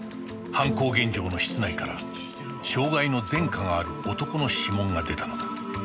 犯行現場の室内から傷害の前科がある男の指紋が出たのだ